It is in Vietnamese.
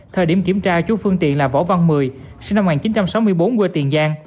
thời điểm kiểm tra chú phương tiện là võ văn mười sinh năm một nghìn chín trăm sáu mươi bốn quê tiền giang